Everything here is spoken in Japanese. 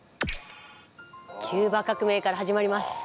キューバ革命から始まります。